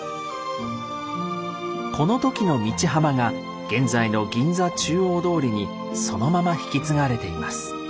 この時の道幅が現在の銀座中央通りにそのまま引き継がれています。